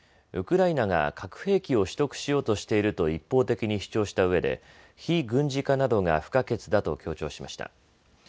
ウクライナが核兵器を取得しようとしていると一方的に主張したうえで非軍事化などが不可欠だと強調しました。